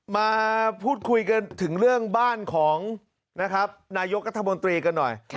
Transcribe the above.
มาพูดคุยกันถึงเรื่องบ้านของนะครับนายกรัฐมนตรีกันหน่อย